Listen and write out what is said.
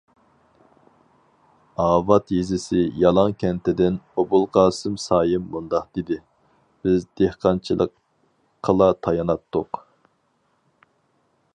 ئاۋات يېزىسى يالاڭ كەنتىدىن ئوبۇلقاسىم سايىم مۇنداق دېدى: بىز دېھقانچىلىققىلا تايىناتتۇق.